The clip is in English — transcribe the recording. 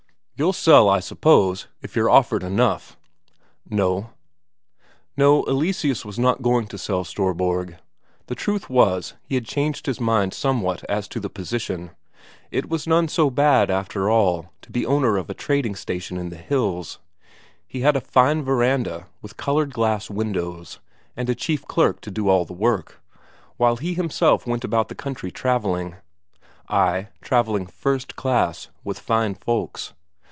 "You'll sell, I suppose, if you're offered enough?" "No." No, Eleseus was not going to sell Storborg. The truth was, he had changed his mind somewhat as to the position; it was none so bad, after all, to be owner of a trading station in the hills; he had a fine verandah with coloured glass windows, and a chief clerk to do all the work, while he himself went about the country travelling. Ay, travelling first class, with fine folks.